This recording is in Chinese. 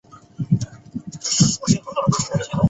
还有数个多用途室供住客借用。